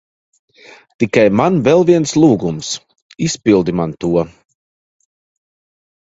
Tikai man vēl viens lūgums. Izpildi man to.